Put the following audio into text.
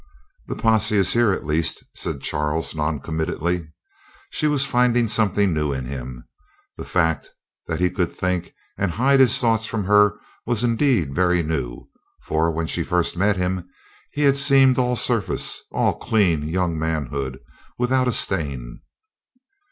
"The posse is here, at least," said Charles noncommittally. She was finding something new in him. The fact that he could think and hide his thoughts from her was indeed very new; for, when she first met him, he had seemed all surface, all clean young manhood without a stain.